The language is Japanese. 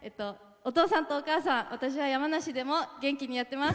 お父さんとお母さん私は山梨でも元気にやってます。